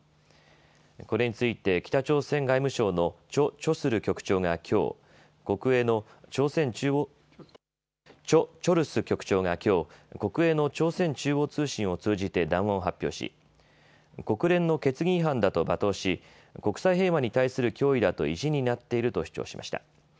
これについて北朝鮮外務省のチョ・チョルス局長がきょう、国営の朝鮮中央通信を通じて談話を発表し国連の決議違反だと罵倒し国際平和に対する脅威だと意地になっていると主張しました。